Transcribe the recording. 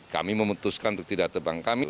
kami memutuskan untuk tidak terbang kami